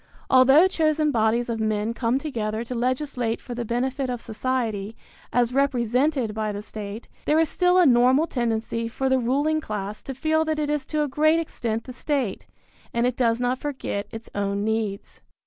Although chosen bodies of men come together to legislate for the benefit of society, as represented by the state, there is still a normal tendency for the ruling class to feel that it is to a great extent the state, and it does not forget its own needs.